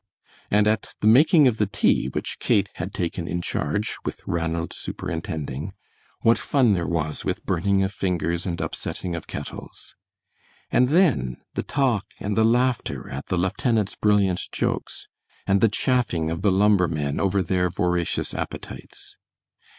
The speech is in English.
And at the making of the tea, which Kate had taken in charge with Ranald superintending, what fun there was with burning of fingers and upsetting of kettles! And then, the talk and the laughter at the lieutenant's brilliant jokes, and the chaffing of the "lumbermen" over their voracious appetites!